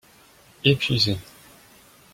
Épuisé.